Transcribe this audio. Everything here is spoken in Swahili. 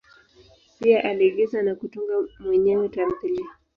Pia aliigiza na kutunga mwenyewe tamthilia.